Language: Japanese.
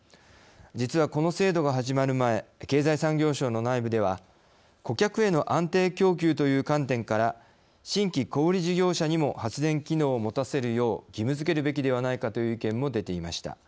実は、この制度が始まる前経済産業省の内部では顧客への安定供給という観点から新規小売事業者にも発電機能を持たせるよう義務づけるべきではないかという意見も出ていました。